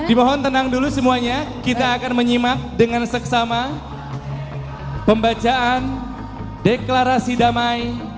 dimohon tenang dulu semuanya kita akan menyimak dengan seksama pembacaan deklarasi damai